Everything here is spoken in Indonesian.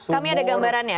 kami ada gambaran ya